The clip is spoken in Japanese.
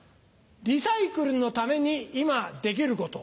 リサイクルのために今できること。